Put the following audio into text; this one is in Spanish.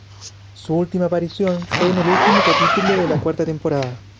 Su última aparición fue en el último capítulo de la cuarta temporada.